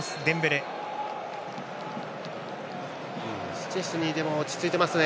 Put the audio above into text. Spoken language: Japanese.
シュチェスニーは落ち着いていますね。